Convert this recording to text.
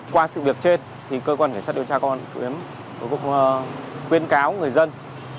qua sự việc trên thì cơ quan hệ sát điều tra của em quyên cáo người dân